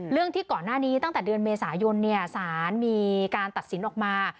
ที่ก่อนหน้านี้ตั้งแต่เดือนเมษายนสารมีการตัดสินออกมา